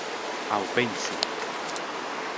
Aŭ pensi.